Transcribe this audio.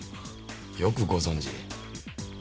よくご存じ。